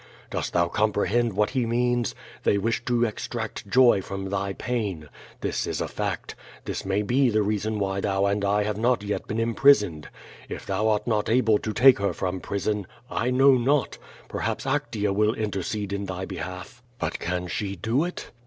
Dost thou comprehend what he means? ' They wish to ex tract joy from thy pain. This is a fact. This may be the reason why thou and I have not yet been imprisoned. If thou art not able to take her from prison — I know not! Perhaps Actea will intercede in thy behalf. But can she do it?